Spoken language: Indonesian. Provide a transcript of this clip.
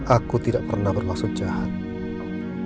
aku tidak pernah bermaksud jahat